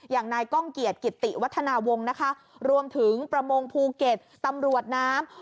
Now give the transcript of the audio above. อย่างนายก้องเกียจกิติวัฒนาวงศ์นะคะรวมถึงประมงภูเก็ตตำรวจน้ำ